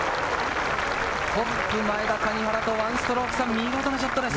トップ・前田、谷原と１ストローク差、見事なショットです。